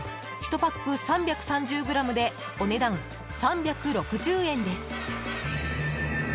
１パック３３０ｇでお値段３６０円です。